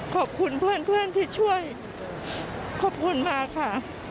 ขอบคุณเพื่อนที่ช่วยขอบคุณมากค่ะ